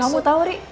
kamu tau ri